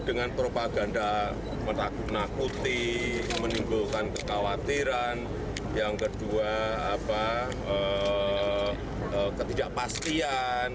dengan propaganda menakuti menimbulkan kekhawatiran yang kedua ketidakpastian